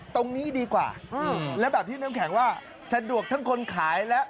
ตรงนี้ดีกว่าแล้วแบบที่น้ำแข็งว่าสะดวกทั้งคนขายและ